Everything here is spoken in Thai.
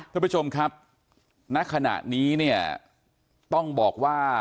ท่านผู้ชมครับณขณะนี้เนี่ยต้องบอกว่า